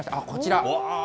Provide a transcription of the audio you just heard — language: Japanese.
こちら。